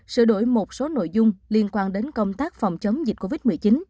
sửa đổi một số nội dung liên quan đến công tác phòng chống dịch covid một mươi chín